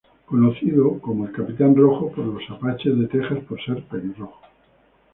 Conocido como el capitán rojo por los apaches de Tejas por ser pelirrojo.